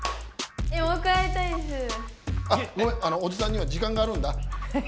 あごめんおじさんには時間があるんだ。